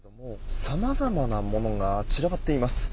さまざまなものが散らばっています。